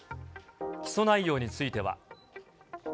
起訴内容については。